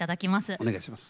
お願いします。